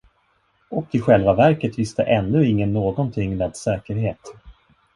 Och i själva verket visste ännu ingen någonting med säkerhet.